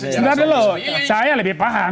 sebentar dulu saya lebih paham